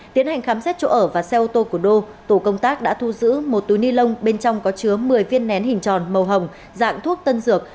tiến hành khám xét chỗ ở và xe ô tô của đô tổ công tác đã thu giữ một túi ni lông bên trong có chứa một mươi viên nén hình tròn màu hồng dạng thuốc tân dược